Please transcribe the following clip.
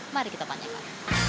mari kita tanyakan